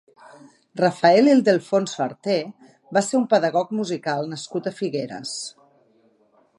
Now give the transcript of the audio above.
Rafael Ildefonso Arté va ser un pedagog musical nascut a Figueres.